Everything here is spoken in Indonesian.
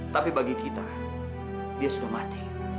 tapi bagi kita dia sudah mati